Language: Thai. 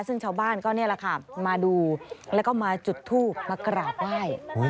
ซึ่งชาวบ้านก็นี่แหละค่ะมาดูแล้วก็มาจุดทูบมากราบไหว้